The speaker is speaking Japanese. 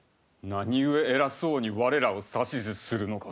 何故偉そうに我らを指図するのか。